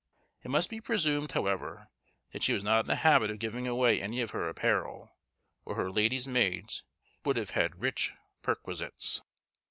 It must be presumed, however, that she was not in the habit of giving away any of her apparel, or her ladies' maids would have had rich perquisites.